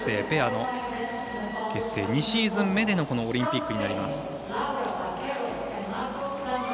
ペアの結成２シーズン目でのオリンピックとなります。